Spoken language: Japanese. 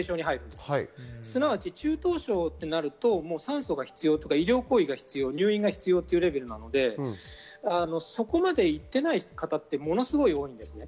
すなわち中等症になると酸素が必要とか医療行為が必要、入院が必要ということなのでそこまでいっていない方ってものすごい多いんですよね。